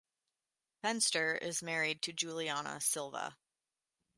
Fenster is married to Juliana Silva.